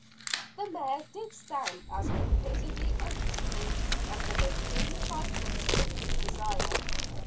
The mare did stand as composedly and peacefully as the most dignified minister could desire.